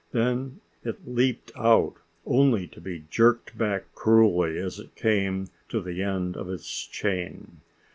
Then it leaped out, only to be jerked back cruelly as it came to the end of its chain.